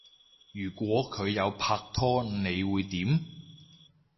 如果佢有拍拖你會點？